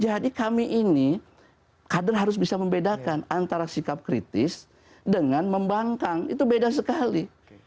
jadi kami ini kader harus bisa membedakan antara sikap kritis dengan membangkang itu beda sekali